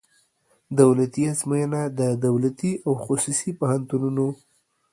دولتي آزموینه د دولتي او خصوصي پوهنتونونو